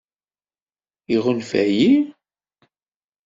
Iɣunfa-yi?